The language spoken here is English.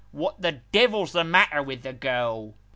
What the devil's the matter with the girl